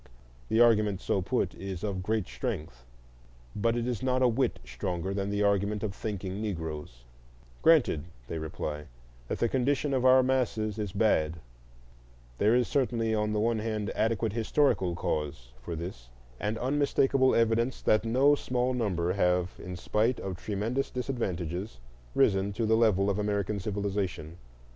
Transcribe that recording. The argument so put is of great strength, but it is not a whit stronger than the argument of thinking Negroes: granted, they reply, that the condition of our masses is bad; there is certainly on the one hand adequate historical cause for this, and unmistakable evidence that no small number have, in spite of tremendous disadvantages, risen to the level of American civilization.